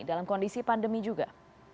dalam kondisi pandemi juga